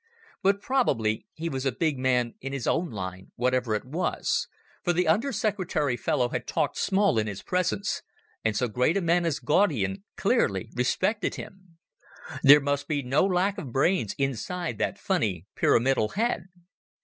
But probably he was a big man in his own line, whatever it was, for the Under Secretary fellow had talked small in his presence, and so great a man as Gaudian clearly respected him. There must be no lack of brains inside that funny pyramidal head.